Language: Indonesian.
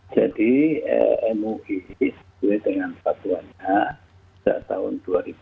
jadi mui dengan fatwanya pada tahun dua ribu dua puluh